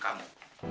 aku sudah berhenti